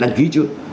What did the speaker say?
đăng ký chưa